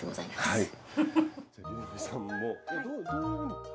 はい。